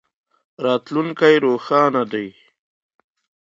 راتلونکی روښانه دی.